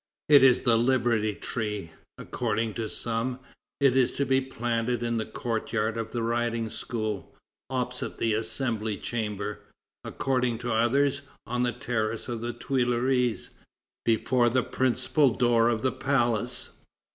It is the Liberty tree. According to some, it is to be planted in the courtyard of the Riding School, opposite the Assembly chamber; according to others, on the terrace of the Tuileries, before the principal door of the palace.